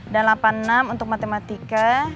dan delapan puluh enam untuk matematika